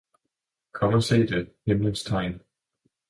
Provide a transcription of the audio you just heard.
Kom og se det himlens tegn!